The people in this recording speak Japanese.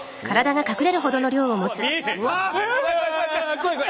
怖い怖い。